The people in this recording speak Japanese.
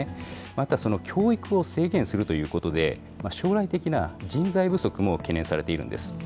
また、教育を制限するということで、将来的な人材不足も懸念されているんです。